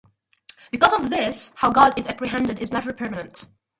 Because of this, how God is apprehended is never permanent.